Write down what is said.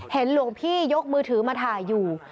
หลวงพี่ยกมือถือมาถ่ายอยู่